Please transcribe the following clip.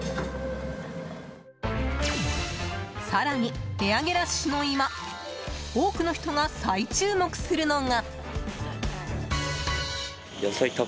更に、値上げラッシュの今多くの人が再注目するのが。